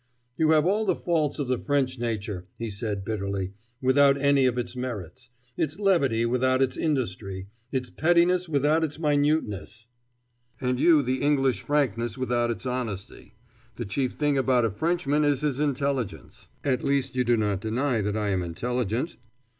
"You have all the faults of the French nature," he said bitterly, "without any of its merits: its levity without its industry, its pettiness without its minuteness " "And you the English frankness without its honesty. The chief thing about a Frenchman is his intelligence. At least you do not deny that I am intelligent?"